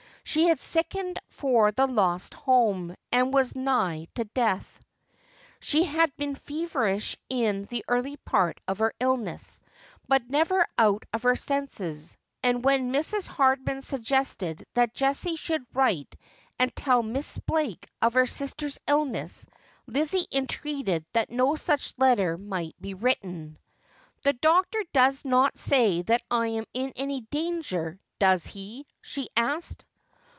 She had sickened for the lost home, and was nigh to death. She had been feverish in the early part of her illness, but never out of her senses : and when Mrs. Hardman suggested that Jessie should write and tell Miss Blake of her sister's illness, Lizzie entreated that no such letter might be written. ' The doctor does not say that I'm in any danger, does he ?' she asked.